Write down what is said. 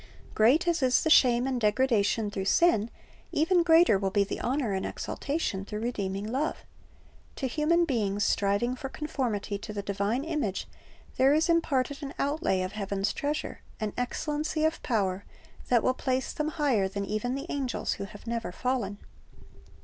"'^ Great as is the shame and degradation through sin, even greater will be the honor and exaltation through redeeming love. To human beings striving for conformity to the divine image there is imparted an outlay of heaven's treasure, an excellency of power, that will place them higher than even the angels who have never fallen.